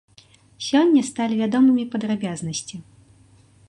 Сёння сталі вядомымі падрабязнасці.